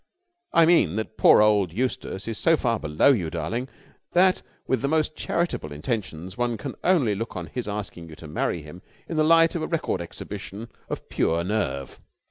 "I mean that poor old Eustace is so far below you, darling, that, with the most charitable intentions, one can only look on his asking you to marry him in the light of a record exhibition of pure nerve.